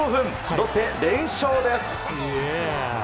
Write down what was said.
ロッテ、連勝です。